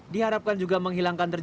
diharapkan juga menghilangkan terjadi